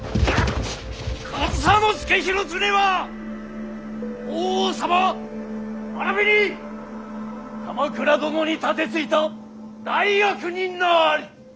上総介広常は法皇様ならびに鎌倉殿に盾ついた大悪人なり！